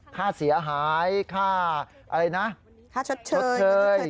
ค่าเสียหายค่าอะไรนะค่าชดเชยชดเชย